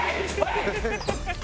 ハハハハ！